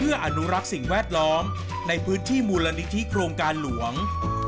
อุณหนิธิโครงการหลวง